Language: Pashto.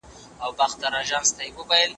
خلک ورو ورو بدلون احساسوي.